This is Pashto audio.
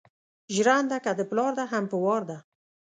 ژېرنده که ده پلار ده هم په وار ده